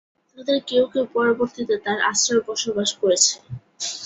তাদের কেউ কেউ পরবর্তীতে তার আশ্রয়ে বসবাস করেছে।